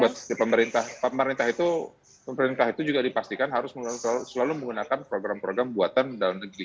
dan juga penting buat pemerintah pemerintah itu juga dipastikan harus selalu menggunakan program program buatan dalam negeri